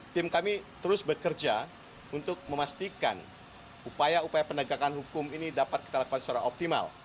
tim kami terus bekerja untuk memastikan upaya upaya penegakan hukum ini dapat kita lakukan secara optimal